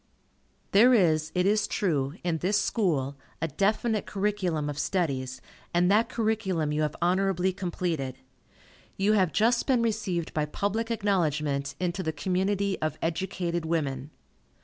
There is, it is true, in this School, a definite curriculum of studies, and that curriculum you have honorably completed. You have just been received by public acknowledgment into the community of educated women.